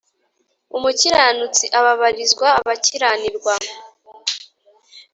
umukiranutsi ababarizwa abakiranirwa,